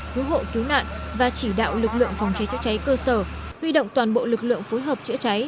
cứu hộ cứu nạn và chỉ đạo lực lượng phòng cháy chữa cháy cơ sở huy động toàn bộ lực lượng phối hợp chữa cháy